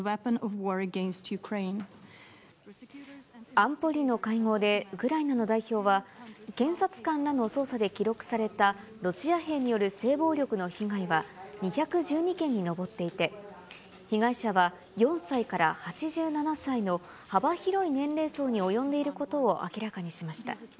安保理の会合でウクライナの代表は、検察官らの捜査で記録されたロシア兵による性暴力の被害は２１２件に上っていて、被害者は４歳から８７歳の幅広い年齢層に及んでいることを明らかにしました。